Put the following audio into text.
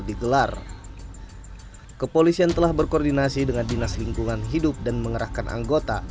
digelar kepolisian telah berkoordinasi dengan dinas lingkungan hidup dan mengerahkan anggota